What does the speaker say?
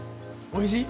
おいしい。